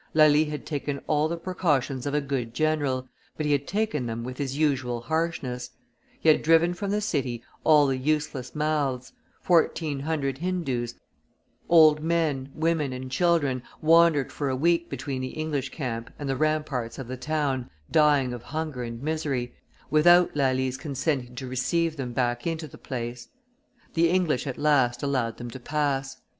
Lally had taken all the precautions of a good general, but he had taken them with his usual harshness; he had driven from the city all the useless mouths; fourteen hundred Hindoos, old men, women, and children, wandered for a week between the English camp and the ramparts of the town, dying of hunger and misery, without Lally's consenting to receive them back into the place; the English at last allowed them to pass.